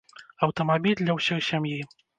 Аўтамабіль для ўсёй сям'і!